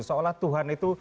seolah tuhan itu